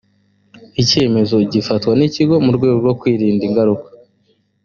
icyemezo gifatwa n ikigo mu rwego rwo kwirinda ingaruka